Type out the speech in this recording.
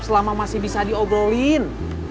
selama masih bisa diobrolin